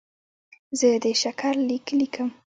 زه د شکر لیک لیکم.